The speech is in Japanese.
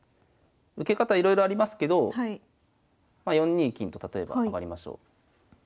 受け方いろいろありますけどま４二金と例えば上がりましょう。